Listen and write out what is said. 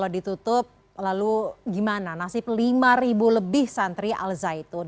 ditutup lalu gimana nasib lima lebih santri al zaitun